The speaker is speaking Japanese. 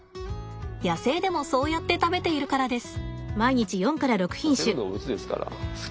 野生でもそうやって食べているからです。